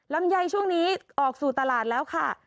ลำไยช่วงนี้ออกสู่ตลาดแล้วค่ะ